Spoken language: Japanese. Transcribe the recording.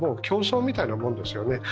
競争みたいなものですよね。